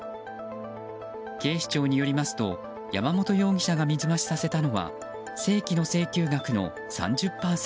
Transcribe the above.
警視庁によりますと山本容疑者が水増しさせたのは正規の請求額の３０％。